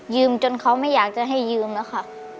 จนเขาไม่อยากจะให้ยืมแล้วค่ะ